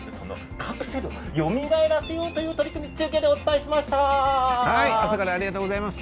カプセルをよみがえらせようという取り組みを中継で朝からありがとうございました。